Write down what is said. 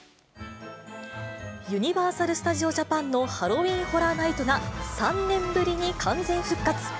ユニバーサル・スタジオ・ジャパンのハロウィーン・ホラー・ナイトが３年ぶりに完全復活。